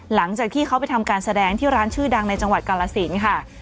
หลังจากที่เขาไปทำการแสดงที่ร้านชื่อดังในจังหวัดกาลสินค่ะ